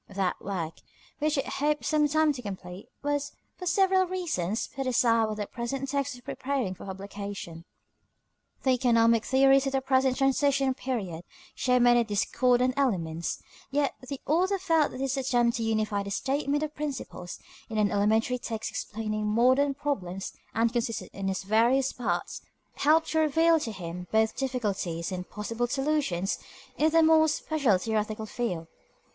That work, which it is hoped some time to complete, was, for several reasons, put aside while the present text was preparing for publication. The economic theories of the present transition period show many discordant elements, yet the author felt that his attempt to unify the statement of principles, in an elementary text explaining modern problems, and consistent in its various parts, helped to reveal to him both difficulties and possible solutions in the more special theoretical field.